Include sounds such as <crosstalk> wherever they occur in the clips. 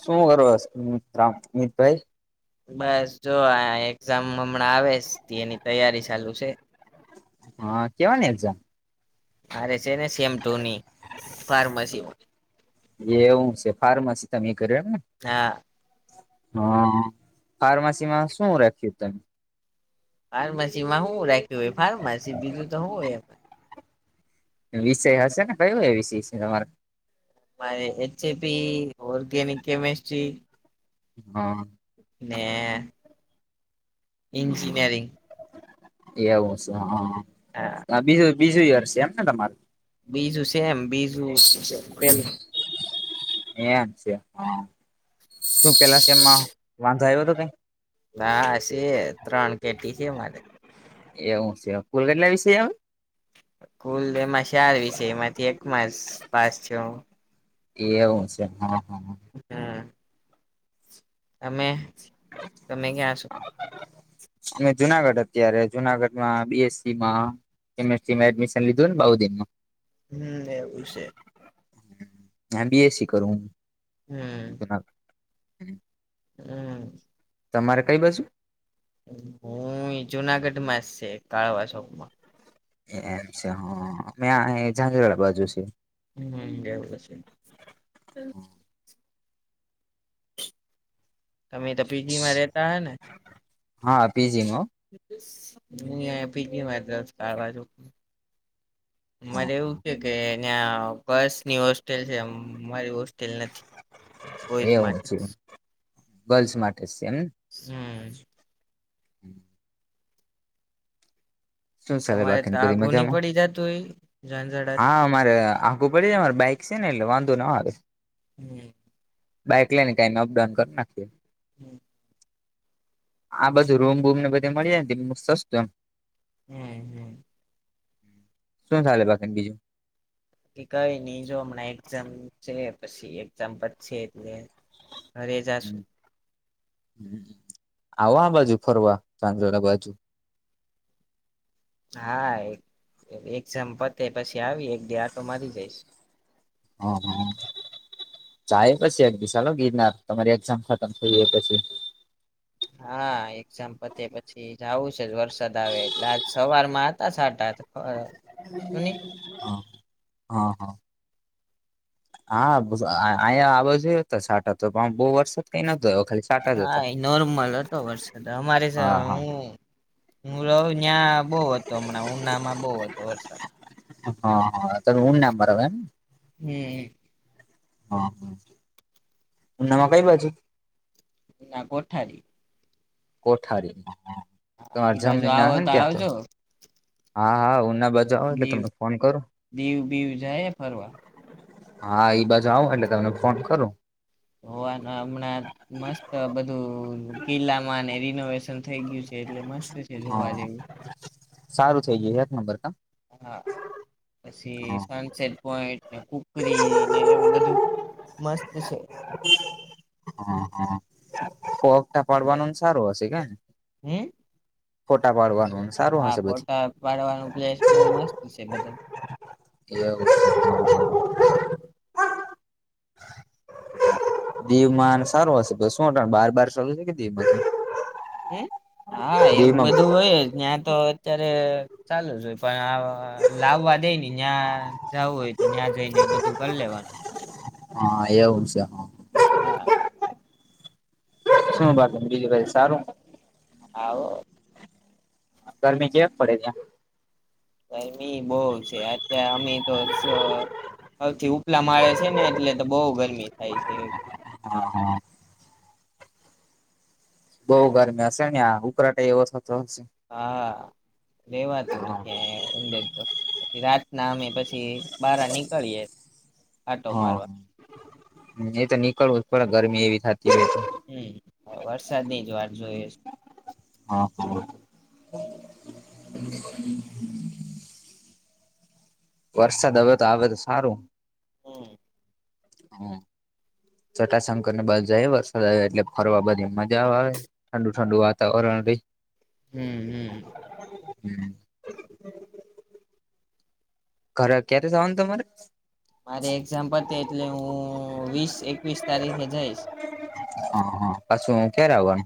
શું કરમ રામ અમિતભાઈ બસ જો આ એક્ઝામ હમણાં આવે તે એની તૈયારી ચાલુ છે હા કેવાની એક્જામ આરે છે ને સેમ ટુની ફાર્મસીમાં એવું છે ફાર્માસી તમે કર ને હા હા ફાર્માસીમાં શું રાખ્યું તમે ફાર્મસી માં શું રાખ્યું હોય ફાર્મસી બીજું તોું હોય વિષય હશે ને કયોું એ વિષય છે તમારે મારે એચ એપી ઓર્ગેનિક કેમિસ્ટ્રી હમ <unintelligible> ન્જનયરિંગ એવું છે હા બીજું બીજું યર છે એમ ને તમારું બીજું છેેમ બીજું પેલું એમ છે હ શું પેલા શ એમમાં વાંધો આવ્યો હતો કઈ હશે ત્રણ કેટી છે મારે એવું છે કુલગટલા વિશે એમ કુલ એમાં શાર વિશે એમાંથી એકમાં પાસ છ એવું છે હ. હમ્મ. તમે તમે ક્યા છો? અમેં જુનાગઢ અત્યારે જુનાગઢમાં બી. એસ. સી. માં એમ. એસ. સી. એડમિશન લીધું ને બઉદિનમાં. હમ્મ એવું છે. એમ બી. એસ. સી. કરુંહું. હમ્મ. <inaudible> હમ્મ. તમારે કઈ બાજુ? હુંઈ જુનાગઢ માં છે કાળવા ચોક માં. એમ છે હઅ મે આયે જાજરવાળા બાજુ છે. હમ્મ <unintelligible> છે. તમે તો પી. જી. માં રેતા હ ને. હા પીજી માં. હું આય પી. જી. મા જ રવ છું આ બાજુ. મારે એવું છે કે ન્યા ગર્લ્સ ની હોસ્ટેલ છે મારી હોસ્ટેલ નથી. કોઈ જ એવું માટ છે ગર્લ્સ માટે જ. હમ્મ. <inaudible> શું ચાલે તમારે ત બાકીને બધી આગુ ની મજામાં પડી જાતું હોય. ઝંઝડાથી હા અ મારે આગુ પડી જાય, મારે બાઈક છે ને એટલે વાંધો ના આવે. હમ્મ. બાઈક લે ને ટામે અપડાઉન કરી નાખીએ. હમ્મ. આ બધું રૂમ બૂમ ને બધી મળી જાય તેમનું સસ્તું એમ. હમ્મ હમ્મ. શું ચાલે બાકીને બીજું. કઈ ની જો હમણાં એક્ઝામ છે પછી એક્ઝામ પતશે છે એટલે ઘરે જાશું. હમ્મ આવો આ બાજુ ફરવા ધાંધોરા બાજુ. હા એકજામ પતે પછી આવી, એક દી આટો મારી જઈશ. હ હ અ. ચાએ પછી એક દિ સાલો ગિરનાર તમારી એકઝામ ખતમ થઈ એ પછી. હા એકઝામ પતે પછી જાવું છે જ વરસાદ આવે એટલે આજ સવાર માં હતા સાટા. હ હા હ. હા અહીંયા આ બાજુ એ હતો સાટા તો પણ બહુ વરસાદ કઈ નતો આયો. હા એ નોર્મલ હતો વરસાદ અમારે <unintelligible> હા હા. હું હું રઉ હિયા બહુ હતો હમણાં ઉના માં બવ હતો વરસાદ. હ હ તમે ઊના બરાબર એમ. હમ્મ. હા, ઉનામાં કઈ બાજુ? ના કોઠારી. કોઠારી હા એ તમાર બાજુ જમીન ના આવો હ ને ત્યાં તો. આવજો હા હા ઉના બાજુ આવુ એટલે દીવ તમને ફોન કરુ. દીવ બીવ જાય ફરવા હા ઈ બાજુ આવ એટલે તમને ફોન કરુ. <unintelligible> હમણા મસ્ત બધું કિલ્લામાં ને રિનોવેશ ન થઈ ગયું છે, એટલે મસ્ત છે, જોવા હા જેવું. સારું છે <unintelligible> હા પછી સનસેટ પોઈન્ટને ખબ કરીને એવું બધું મસ્ત સે. <inaudible> પોગટા છે. પાડવાનું સારું હશે કેન હમ ફોટા પાડવાન હા ફોટા પાડવાનું પ્લેસ બહુ મસ્ત છે બધ એવ <unintelligible> દીવમાં સારું હશે તો શું અતાર બાર બાર <unintelligible> હે હા એવું દીવમાં બધું હોય ન્યાં તો અત્યારે ચાલુ જ હોય પણ લાવવા દેની ન્યાં જવું હોય તો ન્યાં જઈને બધું કરી લેવાનું. હા, એવું છે, હ. હા શું બાકી, બીજું કાઈ સારુ હા ગરમી ચેક પડે ત્યાં ગરમી બોઉ છે અત્યા અમે તો હૌથી ઉપલા માળે છે ને એટલે તો બહુ ગરમી થાય છે. હા હા બઉ ગરમી હશે ને આ ઉકરાટે એવો થ હા રેવાતું હા નથી અંદર તો પછ રાતના અમે પછી પછી બારા નીકળીએ. આટો હા મારવા એ તો નીકળવું જ પડે ગરમી એવી થાતી હમ્મ વરસાદની જ વાત જોઈએ છે. હા હ <inaudible> વરસાદ હવે તો આવે તો સારું. હમ્મ. હા. ચટાશંકર ને બાદ જાએવ <unintelligible> એટલે ફરવા <unintelligible> મજા આવે ઠંડુ ઠંડુ વાતાવરણ રહી હમ્મ હમ્મ. હમ્મ. ઘરે ક્યારે જાવાન તમારે? મારે એક્ઝામ, પતે એટલે હુ વીસ એકવીસ તારીખે જઈશ. હ હા, પાછુ ક્યારે આવવાનુ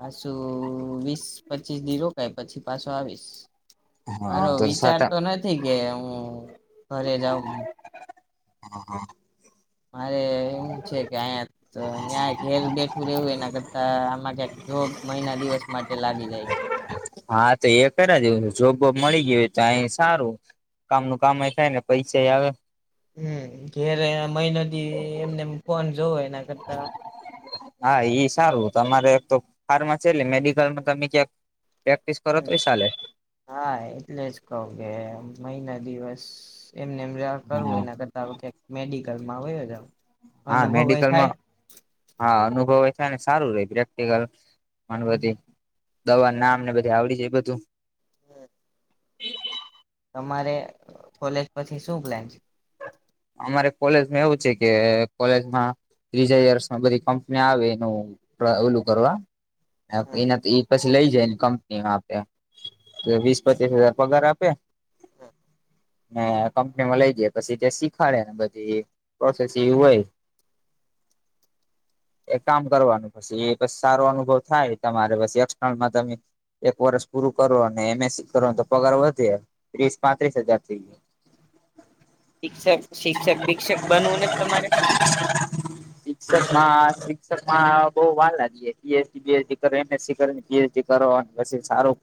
પાછું વીસ, પચીસ ની રોકાય પછી પાછો આવીસ હા મારો, સાત વિચાર તો નથી. કે હું ઘરે જાઉ હા હા. મારે એવું છે, કે અહીયા ન્યા ઘેર બેઠું રહેવું એના કરત આમાં ક્યાંક, જોબ મહિના દિવસ માટે લાગી જાય. હા, તો એ કરયા જેવું છે. જોબ-બોબ મળી ગઈ હોય, તાએ સારુ કામ ન કામ થાય, ને પૈસા આવે હમ્મ ઘેરે મહિનોથી, એમનેમ ફોન જોવો એના કરતા હા, ઈ સારુ તમારે એક તો ફાર્માસી એટલે મેડિકલમાં તમે ક્યાક હમ્મ, હા એટલે જ કઉ કે મહિના, દિવસ એમનેમ રયા કરવું હા એના કરતા ક્યાંક મેડિકલમાં વયો જાવ હા અનુભવય થાય મેડિકલમા, હા અનુભવે છેને, સારુ રે પ્રેક્ટિકલ <unintelligible> દવા નામને બધી આવડી જ એ બધુ હમ્મ. <inaudible> તમારે કોલેજ, પછી શું પ્લાન છે. અમારે કોલેજમાં એવુ છે, કે કોલેજમા ત્રીજા યર્સમા, બધી કંપની આવે એનું ઓલું કરવા એનાથી પછી લઈ જાય, ને કંપનીમા આપે એમ. વીસ પચીસ હજાર પગાર આપે કંપની મા લઈ જાય, પછી જેસી ખાડે બધી પ્રોસેસીવ હોય એક કામ કરવાનું પછી, એ સારો અનુભવ થાય તમારે પછી, એક્સર્નલમાં તમે એક વર્ષ પૂરુ કરો અને એમએસસી કરો તો પગાર વધે ત્રીસ પાંત્રીસ હજાર, થઈ ગયો. શિક્ષક, શિક્ષક ભિક્ષક બનવુ, ને તમારે શિક્ષકમા, શિક્ષકમા બહુ વાર લાગી જાય પીએસડી બીએસડી કરો એમએસસી કર ને પીએસડી કરો પસી સારું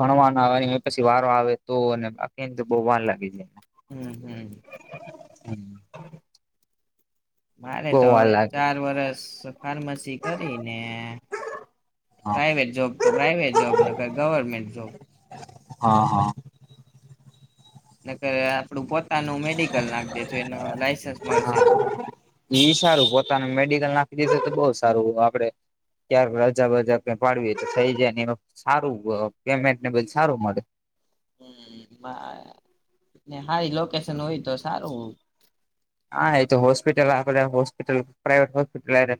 ભણવા ના આવે પછી વારો આવે તો અને આખીને તો બહુ વાર લાગે. હમ હમ <unintelligible> મારે બહુ તો વાર હવે લાગે ચાર વરસ ફાર્મસી કરી ને હા પ્રાઈવેટ જોબ, તો પ્રાાઈવેટ જોબ નકર ગવર્મેન્ટ જોબ હા, હા નકર આપડું પો નુ મેડિકલ નાખ દેશુ, એનુ લાઈસન્સ મળશે તો ઈ સારું પોતાનું <inaudible> બહુ સારુ, આપડે <inaudible> રજા, બજા ક પાડવી તો થઈ જાય. એ સારુ પેમેન્ટ ને બધુ સારું મળે સારી લોકેશન હોય, તો સારુ હા, એ તો હોસ્પિટલ આપડે હોસ્પિટલ પ્રાઇવેટ હોસ્પિટલ હારે,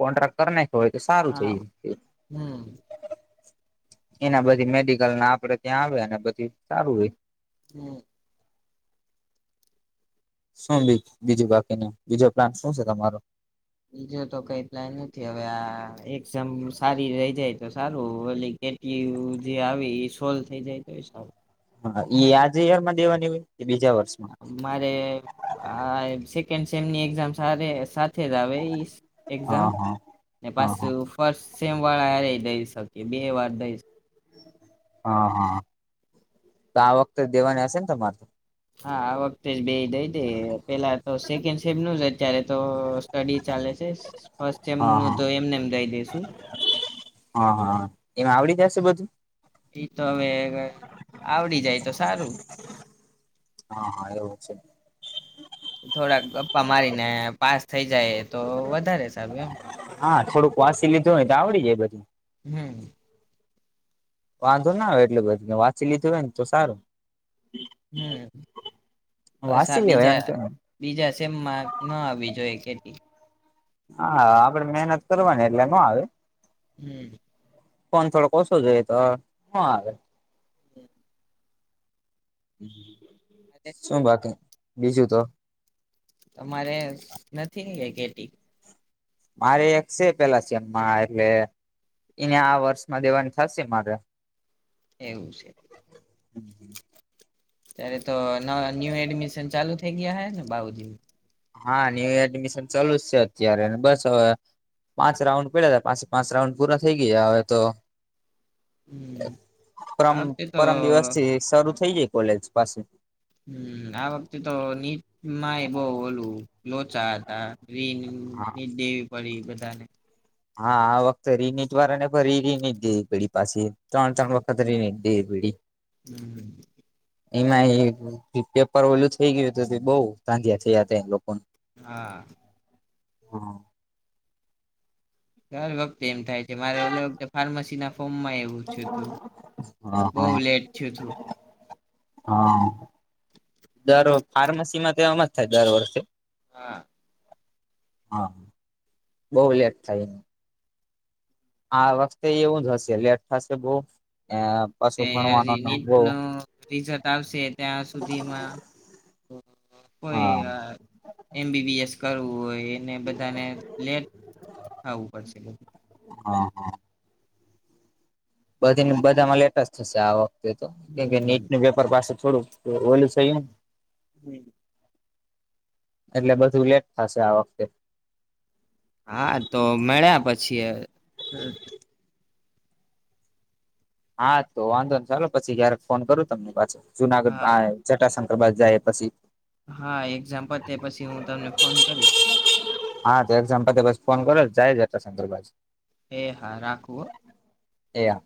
કોન્ટ્રાક્ટ કર ને હોય, તો સારું હા થઈ જ હમ એના બધી મેડિકલ ના આપડે, ત્યા આવે અને પછી સારુ હોય. હમ શું <inaudible> બીજું બાકી ને બીજો પ્લાન શું છે, તમારો? બીજો, તો કઈ પ્લાન નથી હવે આ એકઝામ સારી રહી જાય તો સારુ ઓલી એ જે આવી એ સોલ્વ થઈ જાય, તો સારુ હા, ઈ આજે <inaudible> દેવાની હોય. કે બીજા વર્ષમાં? મારે આ સેકન્ડ, સેમની એક્ઝામ સાથે થે જ આવે એક્ઝામ હા હા ને હા પાછુ, હા ફર્સ્ટ સેમ વાળા આ રીતે એ બે વાર દઈશ. હા હા તો આ વખતે દેવાની હશે ને તમારે તો? હા આ વખતે જ બે દઈ દે પેલા તો સેકન્ડ સેમ નું જ અત્યારે તો સ્ટડી ચાલે છે ફર્સ્ટ હા સેમનું હા તો એમને એમ દઈ દેશું. હા હા એમાં આવડી જશે બધું? એ તો હવે આવડી જાય તો સારું. હા હા એવું છે. થોડાક ગપ્પા મારીને પાસ થઈ જાય તો વધારે સારું એમ. હા થોડુંક વાસી લીધું હોય તો આવડી જાય બધું. હમ વાંધો ના આવે એટલુ બધું વાંચી લીધું હોય ને તો સારું. હમ બસ વાંચી આ લેવાય બીજા એમ કે બીજા સેમમાં ન આવવી જોએ કેેટી. હા આપડે મહેનત કરવાની એટલે નો આવે. હમ ફોન થોડો ઓછો જોઈએ તો નો આવે. <unintelligible> શું બાકી બીજું તો? કેેટી. મારે એક સે પેલા <inaudible> એને આ વર્ષમાં દેવાની થશે મારે. એવું છે. ત્યારે તો ન્યૂ એડમિશન ચાલુ થઈ ગયા હ ને બાઉુજી? હા ન્યુ એડમિશન ચાલુ જ છે અત્યારે બસ હવે પાંચ રાઉન્ડ પેલા હતા પાંચ પાંચ રાઉન્ડ પૂર્ણ થઈ ગયા હવે તો હમ પરમ આ વખતે તો પરમ દિવસ થી શરૂ થઇ જાય કોલેજ પાસે હ આ વખતે તો નીટમાંય બહ ઓલું લોચા હતા. હા રીની દેવી પડી બધાને હા આ વખત રીની જ વાર ને ફરી રી જે ઘડી પાસે ત્રણ ત્રણ વખત રીની એ બડી હમ એમાં પેપર ઓલું થઇ ગયું હતું બઉ ધાંધિયા થયા હતા લોકોને. હા હા દર વખતે એમ થાય છે મારે ઓ વખતે ફાર્મસી ના ફોમમાં એવું થયું હતું બહ હા લેટ થયું તું. હા દર ફાર્મસીમાં તો એમજ થાય દર વર્ષે. હા હા બહુ લેટ થાય. આ વખતે એવું જ હશે લેટ થશે બહુ. એ પાછું ભણવાનો નીટ બહુ નું રિઝલ્ટ આવશે ત્યાં સુધીમાં કોઈ એમ બીબીએસ કરવું હોય એને બધાને લેટ આવું પડશે. હા બધી બધામાં લેટસ થશે આ વખતે તો કેમ કે નીટ હમ નું પેપર પાસે થોડું ઓલું સહી. હમ એટલે બધું લેટ થશે આ વખતે. હા તો મળ્યા પછી. હા તો વાંધો ને ચાલો પછી કય્યારે ફોન કરું તમને પાછો હા જુનાગઢ ચટ બ જાય પછી. હા એક્ઝામ પતે પછી હું તમને ફોન કરીશ. હા તો એક્ઝામ પતે પછી ફોન કરો જાય જ એટલા શકરબજ હે હા રાખું હો એયા